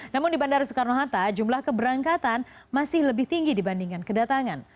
namun di bandara soekarno hatta jumlah keberangkatan masih lebih tinggi dibandingkan kedatangan